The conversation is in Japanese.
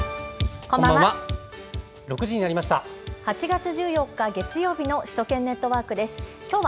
こんばんは。